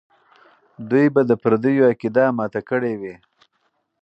دوی به د پردیو عقیده ماته کړې وي.